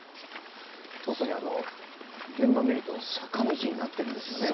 特に現場を見ると坂道になっているんですね。